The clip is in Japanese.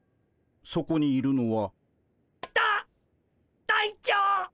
そこにいるのは。た隊長！